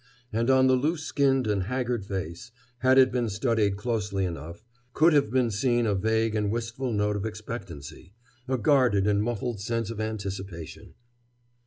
And on the loose skinned and haggard face, had it been studied closely enough, could have been seen a vague and wistful note of expectancy, a guarded and muffled sense of anticipation.